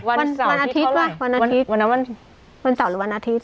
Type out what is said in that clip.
วันวันอาทิตย์วันอาทิตย์วันวันวันวันสาวหรือวันอาทิตย์